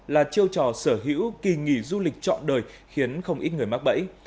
là chiêu trò sở hữu kỳ nghỉ du lịch trọn đời khiến không ít người mắc bẫy